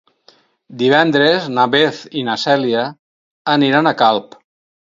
Divendres na Beth i na Cèlia aniran a Calp.